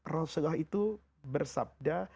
rasulullah itu bersabda